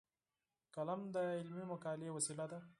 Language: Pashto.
قلم د علمي مقالې وسیله ده